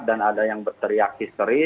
dan ada yang berteriak histeri